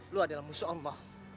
lu adalah musuh allah